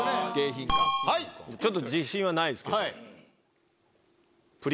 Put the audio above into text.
ピンポンちょっと自信はないですけど。